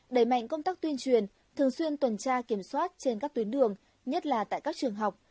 đẩy mạnh công tác tuyên truyền thường xuyên tuần tra kiểm soát trên các tuyến đường nhất là tại các trường học